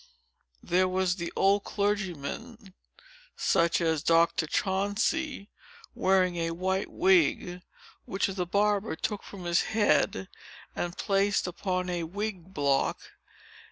There was the old clergyman, such as Dr. Chauncey, wearing a white wig, which the barber took from his head, and placed upon a wig block.